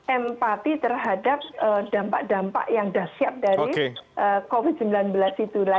empati terhadap dampak dampak yang dahsyat dari covid sembilan belas itulah